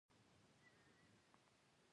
د “ تور مخونه سپين پوښونه ” پۀ نوم